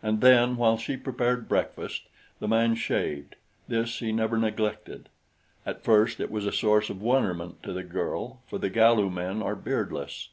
And then while she prepared breakfast, the man shaved this he never neglected. At first it was a source of wonderment to the girl, for the Galu men are beardless.